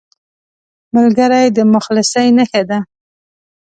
ملګری د مخلصۍ نښه ده